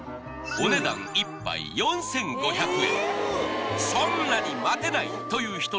お値段１杯４５００円